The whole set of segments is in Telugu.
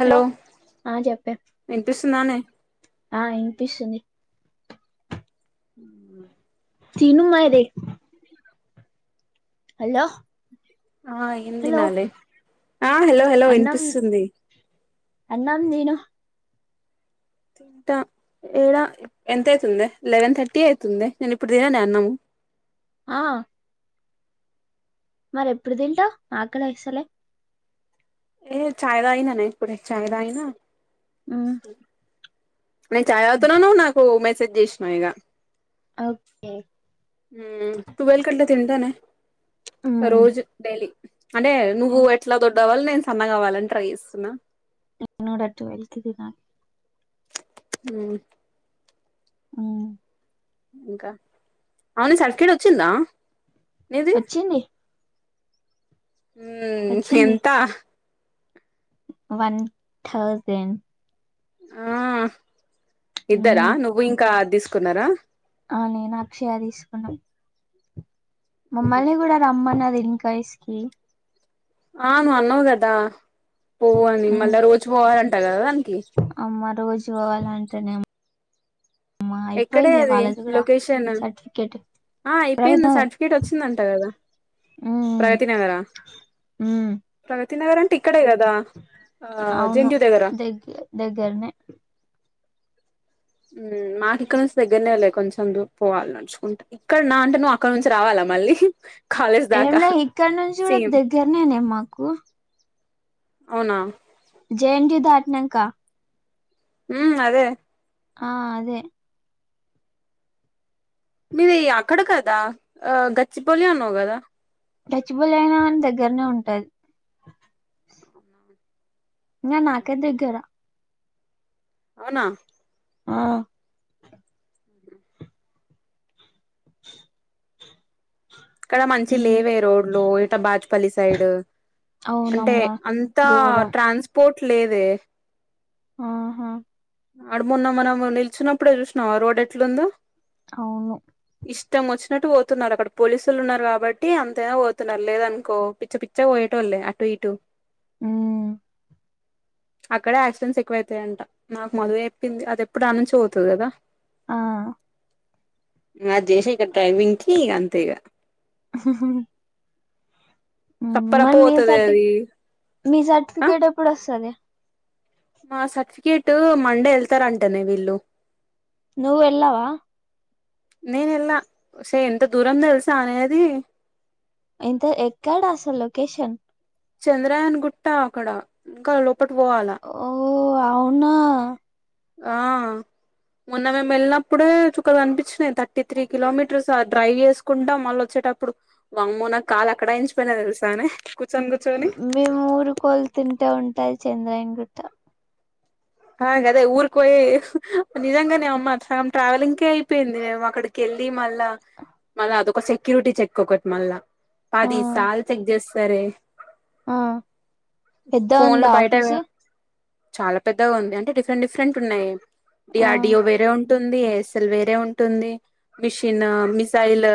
హలో ఆ చెప్పే వినిపిస్తుందానే ఆ ఇనిపిస్తుంది ఉమ్ తిను మరి హలో ఆ ఏం హలో తినాలే ఆ హలో హలో అన్నం వినిపిస్తుంది అన్నం తిను తింట ఏడా ఎంత అయితుందే లెవెన్ థర్టీ అయితుందే నేను ఇప్పుడు తిననే అన్నాము. ఆ మరి ఎప్పుడు తింటవు ఆకలి ఏస్తలే ఏ చాయి తాగినానే ఇప్పుడే చాయి తాగిన ఆ నేను చాయ్ తాగుతున్న నువ్వు నాకు మెసేజ్ చేసినావ్ ఇగ ఓకే ఉమ్ టూ వెల్ కట్లా తింటనే మ్మ్ రోజు డైలీ అంటే నువ్వు నేను ఎట్లా దొడ్డవాళ్లి నేను సన్నగా అవ్వలని ట్రై చేస్తున్నా నేను గూడా ట్వల్వ్ కే తినా ఉమ్ ఉమ్ ఇంకా అవునే సర్టిఫికెట్ వచ్చిందా నేను వచ్చింది ఉమ్ వచ్చింది ఎంత వన్ థౌజండ్ ఆ ఇద్దర మ్మ్ నువ్వు ఇంకా అది తీసుకున్నారా ఆ నేను అక్షయ తీసుకున్నమ్ మమ్మల్ని గూడా రమ్మన్నది ఇంకా ఇసుకి ఆ నువ్వు అన్నావ్ గదా పోవు అని ఉమ్, మళ్ళా రోజు పోవాలంటా గదా దానికి అమ్మ రోజు పోవాలాంటేనేమో ఎక్కడే అది వాళ్ళది కూడా లొకేషను సర్టిఫికేట్ ఆ అయిపేంది సర్టిఫికేట్ వొచ్చిందంట గదా మ్మ్ ప్రగతి నగరా మ్మ్ ప్రగతి నగరంటే ఇక్కడే గదా ఆ జెంట్యు దగ్గర దెగ్గర్నె మ్ మాకీ ఇక్కన్నుంచి దెగ్గెర్నేలే లే కొంచెం దు పోవాలి నడ్చుకుంట ఇక్కన్నా అంటే నువ్వు అక్కన్నుంచి రావాలా మళ్ళీ కాలేజ్ ఏం దాకా ల్యా ఇక్కన్నుంచి కూడా సేమ్ దగ్గర్నేనే మాకు అవున జెఎంట్యు దాట్న్యంక ఊమ్ అదే ఆ అదే మీది అక్కడ కాద ఆ గచ్చిబౌలి అన్నావు గదా గచ్చిబౌలి అయినా గాన్ దగ్గర్నే ఉంటాది ఇంగా మాకే దగ్గెర అవునా ఆ ఇక్కడ మంచి మ్మ్ లేవే రోడ్లు ఇట బాచ్పల్లి సైడు అంటే అవునమ్మా అంతా ఘోరం ట్రాన్స్పోర్ట్ లేదే ఆహా ఆడ్ మొన్న మనము నిల్చునప్పుడే జూష్ణావ రోడ్డెట్లుందో అవును ఇష్టం వొచ్చినట్టు పోతున్నారు అక్కడ పోలీసులు ఉన్నారు కాబట్టి అంతైనా పోతున్నారు లేదనుకో పిచ్చ పి చ్చగ వోయేటోళ్ళే అటూ ఇటూ ఊ అక్కడే యాక్సిడెంట్స్ ఎక్కువైతాయ్ అంట నాక్ మధు ఏ ఎప్పింది అది ఎప్పుడు ఆ నుంచె వోతది గదా ఆ ఇంగ అద్ జేషే ఇక డ్రైవింగ్ కి ఇగ అంతే ఇగ హు హు హు మ్ రప్పరప్ప మరి మీ పోతది సర్టి అది మీ ఆ సర్టిఫికేట్ ఎప్పుడొస్తది మా సర్టిఫికేట్టూ మండే వెళ్తరంటనే వీళ్ళు నువ్వ్ వెళ్ళవా నేనెళ్ళా ఒసే ఎంత దూరం దెల్సా అనే అదీ ఎంత ఎక్కడసల్ లొకేషన్ చంద్రాఅయాన్ గుట్ట అక్కడ ఇంకా లోపట్ బోవాల ఓ అవునా ఆ మొన్న మేమ్ వెళ్నప్పుడు చుక్కల్ గన్పిచ్చినాయ్ థర్టీ త్రీ కిలోమీటర్స్ ఆ డ్రైవ్ జేస్ కుంటాం మళ్ళ వొచ్చేటప్పుడు వామ్మో నా కాలు అక్కడే ఇంచిపోయినాయ్ దెల్సా నె కూచ్చోన్ గుచ్చొ మేమ్ ఊరు కెళ్తుంటే ఉంటాయ్ చంద్రాయన్ గుట్ట ఆ గదే ఊరికి పోయి నిజంగానే అమ్మ సగం ట్రావెలింగ్ కే అయిపేంది మేమ్ అక్కడి కెళ్ళి మళ్లా మళ్ళా అదొక సెక్యూరిటీ చెక్కొకటి మళ్ళా ఆ పది సార్ల్ చెక్ జేస్తరే ఆ పెద్ద ఫోన్లు ఉందా బయటవె ఆఫీసు చాలా పెద్దగా ఉంది అంటే డిఫరెంట్ డిఫరెంట్ ఉన్నయి డి ఆ ఆర్డిఓ వేరే ఉ టుంది ఎయస్ల్ వేరే ఉంటుంది మిషిను మిసైల్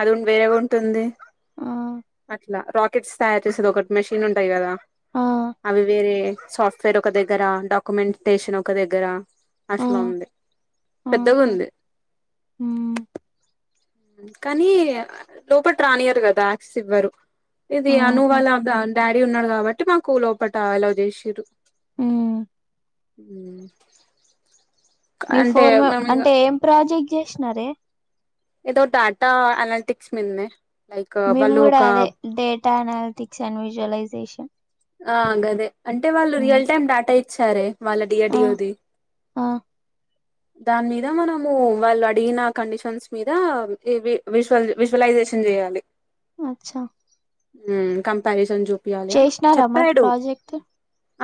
అదేం వేరే ఉంటుంది ఆ అట్లా రాక్ కిట్స్ తయార్ చేసేది ఒకట్ మిషిన్ ఉంటాయి కదా ఆ అవి వేరే సాఫ్ట్వేర్ ఒక దగ్గర డాక్ కుమెన్ టేషన్ ఒక దగ్గర అసలు ఉంది పెద్దగుంది ఉమ్ కానీ లోపట్రానియారు గదా క్స్ ఇవ్వరు ఇది అను ఆహా వాళ్ళ డాడ్ డాడీ ఉన్నాడు కాబట్టి మాకు లోపట అలోవ్ జేశిర్రు మ్మ్ ఉమ్ బిఫోర్ మేం అంటే ఏం ప్రాజెక్ట్ జేసినారే ఏదో టాటా అనాల్టిక్స్ మిల్మే మేము గూడా అదే డేటా అనాలిటిక్స్ అన్విజ్వలైజేషన్ ఆ గదే అంటే వాళ్ళు రియల్ టైమ్ డాటా ఇచ్చారే వాళ్ళ డియో ఆ డియోది ఆ దాని మీద మనము వాళ్లు అడిగిన కండిషన్స్ మీద వివి విశ్వల్ విశ్వలైజేషన్ జేయాలి అచ్చా ఉమ్ కంపారిజన్ జూపియాలని చేసినారా మరి చెప్పాడు ప్రాజెక్ట్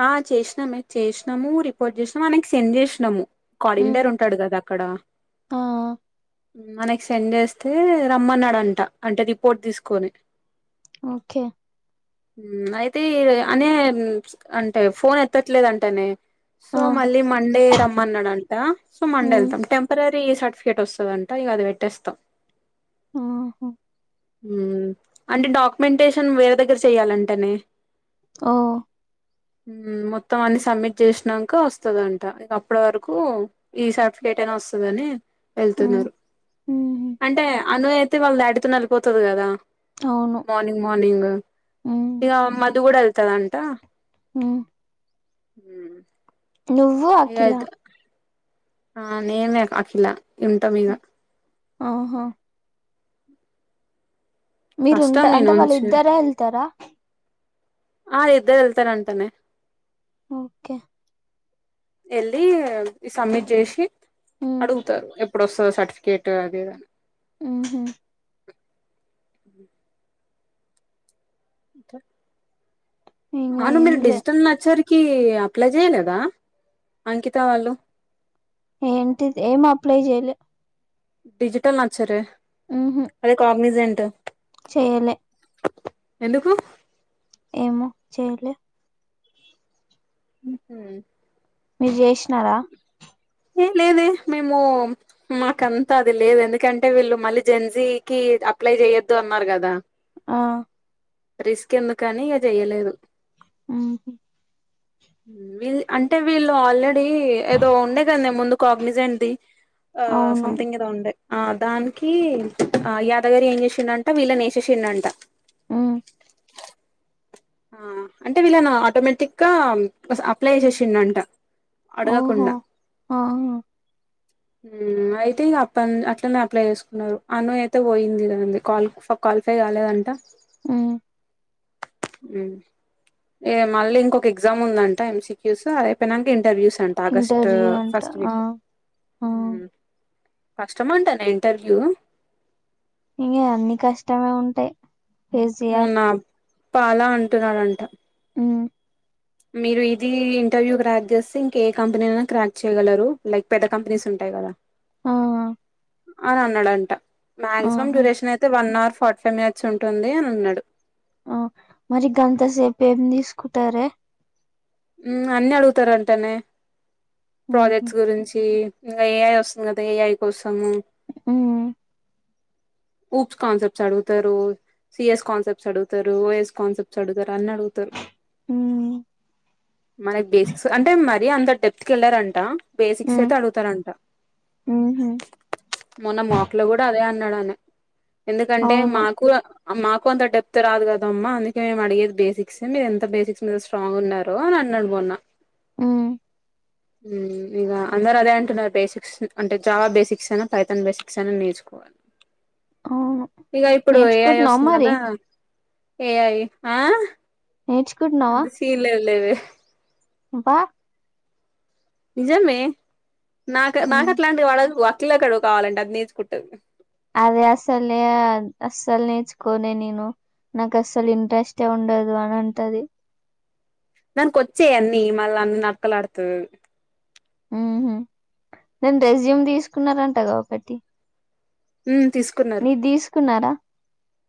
ఆ చేశ్నమే చేశ్నమూ రిపోర్ట్ జేశ్నాము అనేకి సెండ్ జేస్నాము మ్మ్ కోడింటర్ ఉంటడు గదా క్కడ ఆ మనకి సెండ్ జేస్తే రమ్మన్నడంట అంటే రిపోర్ట్ దీస్కొని ఓకే ఉమ్ అయితే అనే అంటే ఫోన్ ఎత్తట్లేదంటనే సో ఆ మళ్ళీ మండే రమ్మన్నడన్ దా సో మ్మ్ మండెళ్తాం టెంపరరీ సర్టిఫికేట్ ఒస్తదంట ఇగ అది వెట్టేస్తాం ఆహ ఉహు అంటే డాకుమెంటేషన్ వేరే దగ్గర చేయాలంటనే ఓ ఉమ్ మొత్తం అన్ని సబ్మిట్ జేశ్నంక ఒస్తదంట ఇంక అప్పటి వరకు ఈ సర్టిఫికేటైనా ఒస్తదని మ్మ్ ఎళ్తున్నరు మ్మ్ అంటే అను అయితే వాళ్ళ డాడీతోనె వెల్పోతది కదా అవును మోనింగ్ మోనింగూ మ్మ్ ఇగ మధు గూడ వెల్తాడంట ఉమ్ ఉమ్ నువ్వు అఖిల ఆ నేనే అఖిలా ఇంటమింగ ఓహో కష్టం మీరుంటే మీ అంటే నుంచి వాళ్ళిద్దరే ఎళ్తరా ఆ ఇద్దర్వెళ్తరంటనే ఓకే ఎళ్ళి ఈ సబ్మిట్ జేసి ఉమ్ అడుగుతారు ఎప్పుడొస్తదో సర్టిఫికేట్ అది ఇదని ఉహు ఇంగా అవును మీరు ఏంలే డిజిటల్ నచ్చరికి అప్లై జెయ్యలేదా అంకిత వాళ్ళు ఏంటిద్ ఏం అప్లై జెయలే డిజిటల్ నచ్చరే అదే కాగ్నిజెంట్ జేయలే ఎందుకు ఏమో చేయలే అహ మీర్ జేస్నారా ఏం లేదే మేము మాకంతా అది లేదు ఎందుకంటే వీళ్ళు మళ్ళీ జెన్జీకి అప్లై జెయ్యొద్దు అన్నారు గదా ఆ రిస్క్ ఎందుకని ఇగ చేయలేదు ఉమ్ హు వీళ్ అంటే వీళ్ళు ఆల్రెడీ ఏదో ఉండే కద్నే ముందు కాగ్నిజన్ది ఆ అవును సొమెథింగ్ ఏదో ఉండే ఆ దానికి ఆ యాదగారి ఏం చేసిండంటే వీళ్ళని నేసేసిండంట ఆ ఆ అంటే వీళ్ళను ఆటోమేటిక్ గా అప్లై చేసిండ అంట ఓహో అడగకుండా ఆహా అయితే ఇంక అప్పన్ అట్లనే అప్లై చేసుకున్నారు అను అయితే పోయింది దానిది కాల్ క్వాలిఫై కాలేదంట ఉమ్ ఎ మళ్ళీ ఇంకొక ఎగ్జామ్ ఉందంట ఎంసిక్యూస్ అదియిపోయినక ఇంటర్వ్యూస్ అంట ఆగస్ట్ ఇంటర్వ్యూ అంట ఫస్ట్ ఆ వీక్ ఆ ఉమ్ కష్టమంటానే ఇంటర్వ్యూ ఇంగ అన్నీ కష్టమే ఉంటయ్ మూన్నా పాలా అంటున్నాడంట ఉమ్ మీరు ఇదీ ఇంటర్వ్యూ క్రాక్ చేస్తే ఇంక ఏ కంపెనీనైనా క్రాక్ చేయగలరు లైక్ పెద్ద కంపెనీస్ ఉంటాయి గదా ఆ అని అన్నాడంట మాక్సిమం ఆహా డ్యూరేషన్ అయితే one hour forty five minutes ఉంటుంది అని అన్నాడు ఆ మరి గంతసేపు ఏం తీసుకుంటారే అన్ని అడుగుతారంటనే ఉహు ప్రాజెక్ట్స్ గురించి ఇంకా ఏఐ వస్తుంది కదా ఏఐ కోసమూ ఉమ్ ఊప్స్ కాన్సెప్ట్స్ అడుగుతారు సిఎస్ కాన్సెప్ట్స్ అడుగుతారు ఓఎస్ కాన్సెప్ట్ డుగుతారు అని అడుగుతారు ఉమ్ మనకి బేసిక్స్ అంటే మ మరి అంత డెప్త్ కి వెళ్ళరంట బేసిక్స్ ఉమ్ అయితే అడుగుతారంట ఉహు మొన్న మోక్ లో కూడా అదే అన్నాడని ఎందుకంటే అవును. మాకు మాకు అంత డెప్త్ రాదు కదమ్మ అందుకే మేము అడిగేది బేసిక్స్ మీరు ఎంత బేసిక్స్ మీద స్ట్రాంగ్ ఉన్నారో అని అన్నడు మొన్న హ్మ్. ఉమ్ ఇగ అందరు అదే అంటున్నారు బేసిక్స్ అంటే జావ బేసిక్స్ అన్న పైతన్ బేసిక్స్ అన్నా నేర్చుకోవాలి అవును ఇగ ఇప్పుడు ఏ ఐ నేర్చుకుంటున్నావా వస్తుంది మరి? గదా, ఏ ఐ ఆ నేర్చుకుంటున్నవ తీర్ లేదు లేదే అబ్బా నిజమే, నాక హ్మ్. నాకట్లాంటి వడదు, అఖిలకడుగు కావాలంటే, అది నేర్చుకుంటది అదే అస్సలే అస్సలు నేర్చుకోనే నేను. నాకు అస్సలు ఇంట్రెస్టే ఉండదు అని అంటది. దానికొచ్చే అన్నీ మనాలా నక్కలాడుతుంది ఉహు నేను రెజ్యూమ్ తీసుకున్నారంటగా ఒకటి. ఉమ్ తీసుక్ నీది తీసుకున్నారా?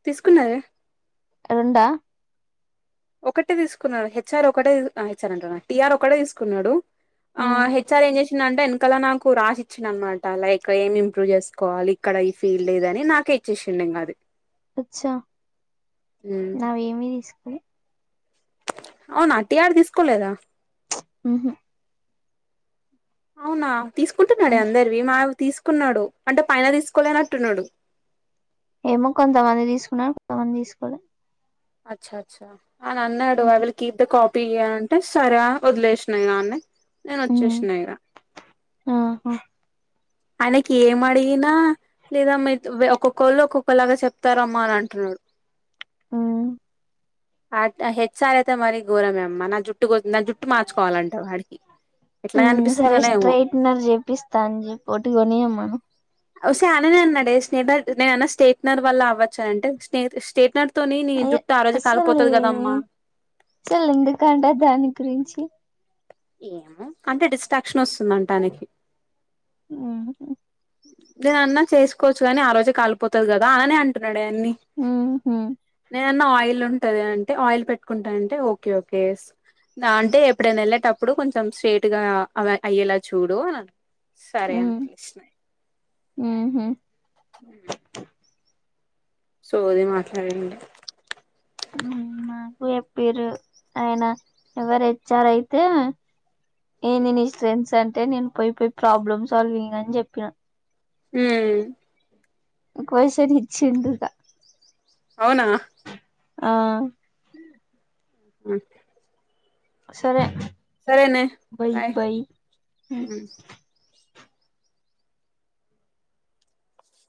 తీసుకున్నర రెండా ఒకటే తీసుకున్నడు, హెచ్ ఆర్ ఒకటే హెచ్ ఆర్ అంటన్న టి ఆర్ ఒకటే తీసుకున్నడు. ఆ హ్మ్. హెచ్ ఆర్ ఏం చేషిండంటే, ఎనకల నాకు రాసి ఇచ్చిడనమాట. లైక్ ఏం ఇంప్రూవ్ చేసుకోవాలి? కడ ఈ ఫీల్డ్ లేదని నాకే ఇచ్చేషిండింగది అచ్చా నావేమి తీసుకులె అవునా టీ ఆర్ తీసుకోలేదా? ఉహు అవునా తీసుకుంటున్నడే హ్మ్. అందరివి, మావి తీసుకున్నడు అంటే పైన తీసుకోలేనట్టున్నడు. ఏమో కొంతమందియి తీసుకున్నడు, కొంతమంది తీసుకోలే. అచ్చ అచ్చ అని అన్నడు, I hmm. Will keep the copy అని అన్ టే సరే అ వదిలేషిన ఇగ ఆన్నె, నేను వచ్చేషిన ఇగ ఆహ ఆయనకి ఏం అడిగినా లేదా మెత్ వె ఒక్కొక్కోళ్ళు ఒక్కొక్కలాగా చెప్తారమ్మ అని అంటున్నడు. ఉమ్ హాట్ అ హెచ్ఆర్ అయితే మరి ఘోరమే, మన జుట్టు గొ నా జుట్టు మార్చుకోవాలంట వాడికి. ఎట్లా మ్ సరే కనిపిస్తుందోనే ఏమో స్ట్రైట్నర్ చేపిస్తా అని చెప్పోటి కొనియమను. ఒసేయ్ అయననే అన్నడే, స్టేటర్ నేనన్న స్టేట్నర్ వల్ల అవ్వచ్చనంటే స్నేత్ స్టేట్నర్ తొని నీ అయ్యో జుట్ట ఆ రోజు కాలిపోతది గదమ్మా అసలేందుకంట దాని గురించి ఏమో అంటే డిస్ట్రాక్షన్ వస్తుందంట ఆయనికి ఉమ్ నేనన్న చేసుకోవచ్చు గని, ఆ రోజే కలిపోతది గదా ఆయనే అంటున్నడే అన్నీ. ఉహు నేనన్న ఆయిల్ ఉంటది అంటే, ఆయిల్ పెట్టుకుంటా అంటే ఓకే ఓకే దా అంటే ఎప్పుడైన ఎళ్ళేటప్పుడు కొంచెం స్ట్రేట్ గా అవె అయ్యేలా చూడు అన్ సరే అని ఉమ్ ఒదిలేసిన ఉహు సోది మాట్లాడిండు నాకు చెప్పిరు ఆయన ఎవరు హెచ్ ఆర్ ఐతే ఏంది నీ స్ట్రెంత్స్ అంటే నేను, పోయి పొయ్ ప్రాబ్లమ్ సాల్వింగ్ అని జెప్పిన. ఉమ్ క్వశ్చన్ ఇచ్చిండు అవునా ఆ సరే సరేనే బై బాయ్ బై మ్